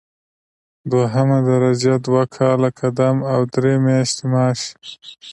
دوهمه درجه دوه کاله قدم او درې میاشتې معاش.